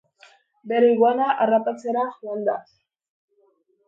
Bera iguanak harrapatzera joan da.